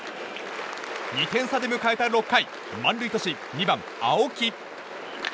２点差で迎えた６回満塁とし２番、青木。